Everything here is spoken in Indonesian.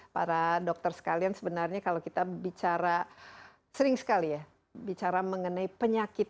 para dokter sekalian sebenarnya kalau kita bicara sering sekali ya bicara mengenai penyakit